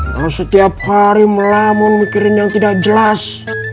kalau setiap hari melamun mikirin yang tidak jelas